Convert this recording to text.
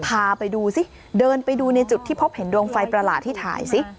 พาไปดูสิเดินไปดูในจุดที่พบเห็นดวงไฟประหลาดที่ถ่ายสิ